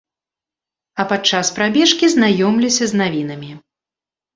А падчас прабежкі знаёмлюся з навінамі.